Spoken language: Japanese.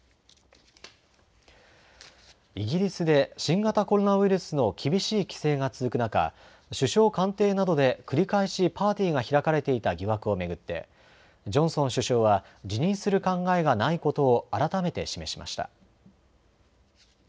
イギリスで新型コロナウイルスの厳しい規制が続く中、首相官邸などで繰り返しパーティーが開かれていた疑惑を巡ってジョンソン首相は辞任する考えがないことを改めて示しました。